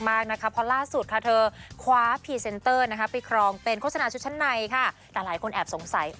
ไม่นะหรือคนเห็นบ่อยแล้วก็ไม่รู้ก็จะแบบปกติอ่ะ